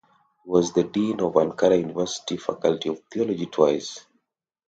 He was the dean of Ankara University Faculty of Theology twice.